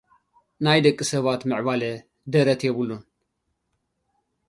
ናይ ደቂ ሰባት ምዕባለ ደረት የብሉን።